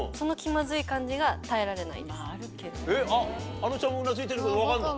あのちゃんもうなずいてるけど分かるの？